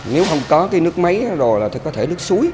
nếu không có cái nước máy rồi là thì có thể nước suối